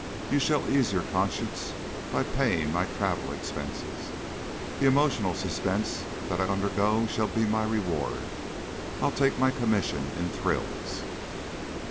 You shall ease your conscience by paying my traveling expenses. The emotional suspense that I undergo shall be my reward. I'll take my commission in thrills."